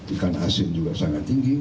ikan asin juga sangat tinggi